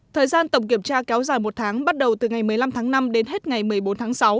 thời gian tổng kiểm tra kéo dài một tháng bắt đầu từ ngày một mươi năm tháng năm đến hết ngày một mươi bốn tháng sáu